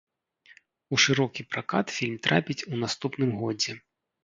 У шырокі пракат фільм трапіць у наступным годзе.